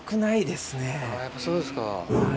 やっぱそうですか。